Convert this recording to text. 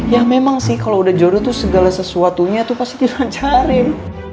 ya memang sih kalau udah jodoh tuh segala sesuatunya tuh pasti ngancarin